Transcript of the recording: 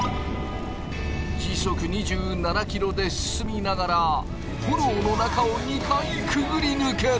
時速２７ｋｍで進みながら炎の中を２回くぐり抜ける。